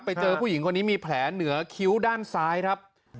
ผู้หญิงคนนี้มีแผลเหนือคิ้วด้านซ้ายครับ